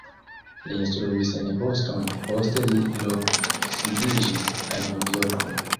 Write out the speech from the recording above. Li instruis en Boston, poste li loksidiĝis en Novjorko.